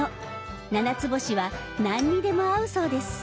ななつぼしは何にでも合うそうです。